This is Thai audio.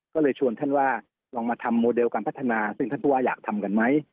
ก็เลยชวนท่านว่าลองมาทำโมเดลการพัฒนาซึ่งท่านผู้ว่าอยากทำกันไหม